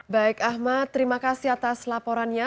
baik ahmad terima kasih atas laporannya